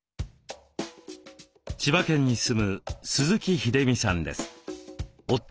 千葉県に住む鈴木秀美さんです。